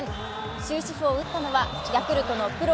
終止符を打ったのはヤクルトのプロ